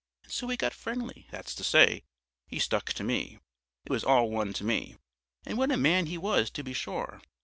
And so we got friendly, that's to say, he stuck to me.... It was all one to me. And what a man he was, to be sure!